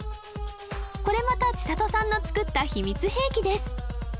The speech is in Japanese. これまた千沙都さんの作った秘密兵器です